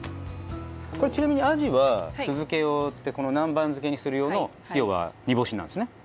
これちなみにアジは酢漬用ってこの南蛮漬けにする用の要は煮干しなんですね。